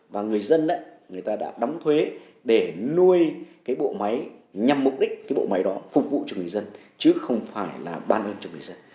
và người dân người ta đã đóng thuế để nuôi cái bộ máy nhằm mục đích cái bộ máy đó phục vụ cho người dân chứ không phải là bàn hơn cho người dân